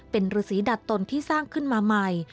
เป็นฤษีดัดตนที่สร้างขึ้นมาใหม่